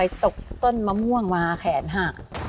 ไปตกต้นมะม่วงมาหาแขนฮะ